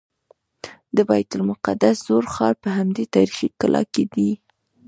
د بیت المقدس زوړ ښار په همدې تاریخي کلا کې دی.